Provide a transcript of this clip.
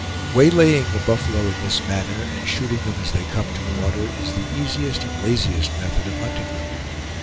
Waylaying the buffalo in this manner, and shooting them as they come to water, is the easiest and laziest method of hunting them.